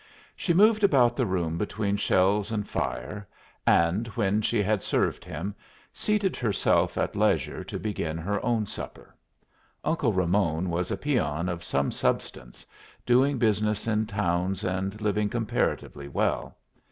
She moved about the room between shelves and fire, and, when she had served him, seated herself at leisure to begin her own supper. Uncle Ramon was a peon of some substance, doing business in towns and living comparatively well.